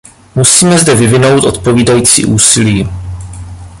Musíme zde vyvinout odpovídající úsilí.